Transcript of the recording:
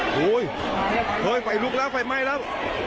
เฮ้ยเฮ้ยไฟลุกแล้วไฟไหม้แล้ว